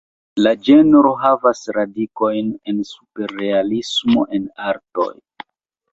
La ĝenro havas radikojn en superrealismo en artoj.